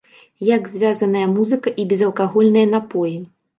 Як звязаная музыка і безалкагольныя напоі?